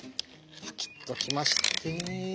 パキッときまして。